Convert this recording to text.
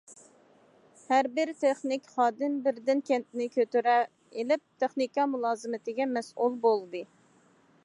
ھەر بىر تېخنىك خادىم بىردىن كەنتنى كۆتۈرە ئېلىپ، تېخنىكا مۇلازىمىتىگە مەسئۇل بولدى.